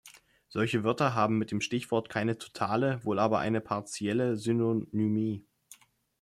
Solche Wörter haben mit dem Stichwort keine totale, wohl aber eine "partielle Synonymie".